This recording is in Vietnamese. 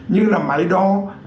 như là máy đo